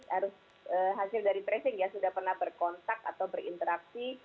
harus hasil dari tracing ya sudah pernah berkontak atau berinteraksi